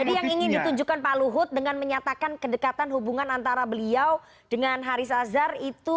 jadi yang ingin ditunjukkan pak luhut dengan menyatakan kedekatan hubungan antara beliau dengan haris azhar itu